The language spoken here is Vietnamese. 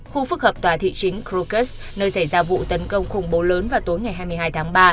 khu phức hợp tòa thị chính krugust nơi xảy ra vụ tấn công khủng bố lớn vào tối ngày hai mươi hai tháng ba